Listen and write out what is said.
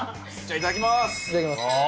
いただきます。